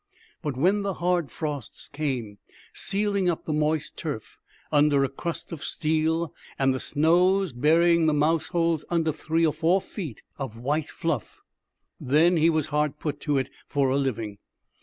But when the hard frosts came, sealing up the moist turf under a crust of steel, and the snows, burying the mouse holes under three or four feet of white fluff, then he was hard put to it for a living.